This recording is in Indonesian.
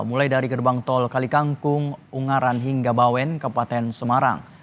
mulai dari gerbang tol kalikangkung ungaran hingga bawen kabupaten semarang